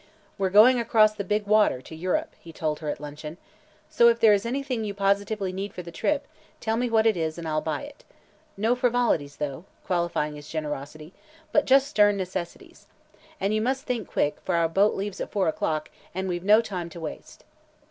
"We're going across the big water to Europe," he told her at luncheon, "so if there is anything you positively need for the trip, tell me what it is and I'll buy it. No frivolities, though," qualifying his generosity, "but just stern necessities. And you must think quick, for our boat leaves at four o'clock and we've no time to waste."